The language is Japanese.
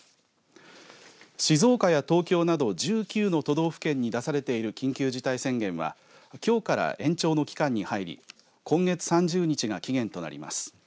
静岡や東京など１９の都道府県に出されている緊急事態宣言はきょうから延長の期間に入り今月３０日が期限となります。